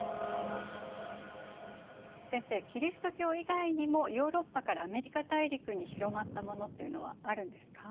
先生キリスト教以外にもヨーロッパからアメリカ大陸に広まったものっていうのはあるんですか？